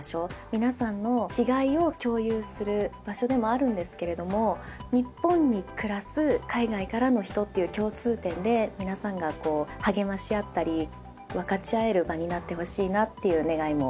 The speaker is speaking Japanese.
皆さんの違いを共有する場所でもあるんですけれども日本に暮らす海外からの人という共通点で皆さんがこう励まし合ったり分かち合える場になってほしいなという願いもありました。